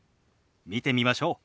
見てみましょう。